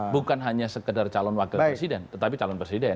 bukan hanya sekedar calon wakil presiden tetapi calon presiden